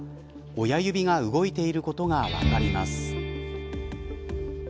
親指が動いていることが分かります。